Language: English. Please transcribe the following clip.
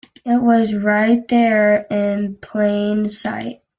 It was right there, in plain sight!